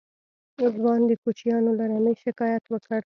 ځوان د کوچيانو له رمې شکايت وکړ.